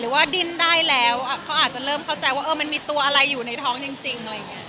หรือว่าดินได้แล้วเขาอาจจะเริ่มเข้าใจว่ามันมีตัวอะไรอยู่ในท้องจริง